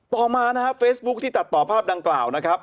ต่อมานะครับเฟซบุ๊คที่ตัดต่อภาพดังกล่าวนะครับ